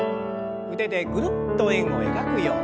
腕でぐるっと円を描くように。